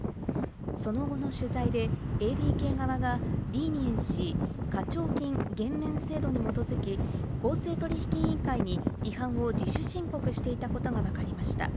その後の取材でＡＤＫ側がリーニエンシー＝課徴金減免制度に基づき、公正取引委員会に違反を自主申告していたことがわかりました。